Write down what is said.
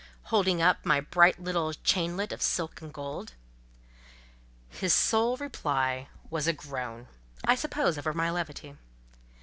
—holding up my bright little chainlet of silk and gold. His sole reply was a groan—I suppose over my levity.